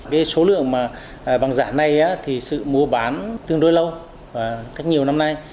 cái số lượng mà bằng giả này thì sự mua bán tương đối lâu cách nhiều năm nay